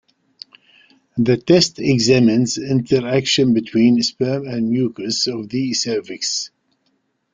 The test examines interaction between sperm and mucus of the cervix.